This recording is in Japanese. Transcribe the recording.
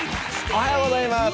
おはようございます。